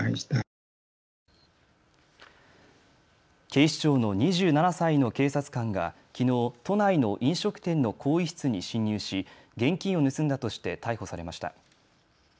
警視庁の２７歳の警察官がきのう都内の飲食店の更衣室に侵入し現金を盗んだとして逮捕されました。